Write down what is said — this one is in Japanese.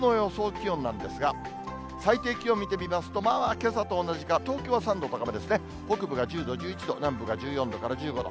気温なんですが、最低気温見てみますと、けさと同じか、東京は３度高めですね、北部が１０度、１１度、南部が１４度から１５度。